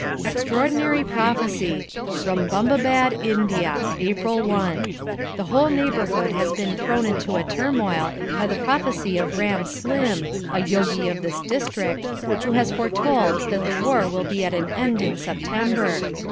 Extraordinary Prophecy. Rumbumbabad, India. April 1. The whole neighbourhood has been thrown into a turmoil by the prophecy of Ram Slim, a Yogi of this district, who has foretold that the war will be at an end in September.